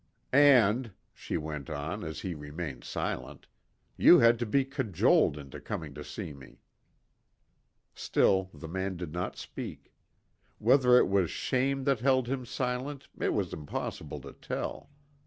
"And," she went on, as he remained silent, "you had to be cajoled into coming to see me." Still the man did not speak. Whether it was shame that held him silent it was impossible to tell.